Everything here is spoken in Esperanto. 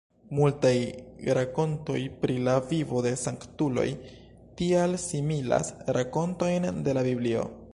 Multaj rakontoj pri la vivo de sanktuloj tial similas rakontojn de la Biblio.